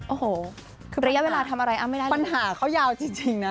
โอ้โหคือระยะเวลาทำอะไรอ้ามไม่ได้เลยปัญหาเขายาวจริงจริงน่ะ